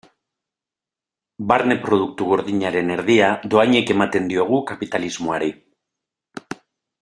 Barne Produktu Gordinaren erdia dohainik ematen diogu kapitalismoari.